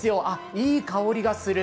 いい香りがする。